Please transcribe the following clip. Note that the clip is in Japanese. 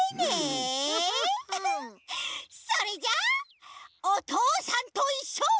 それじゃあ「おとうさんといっしょ」。